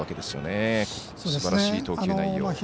すばらしい投球内容。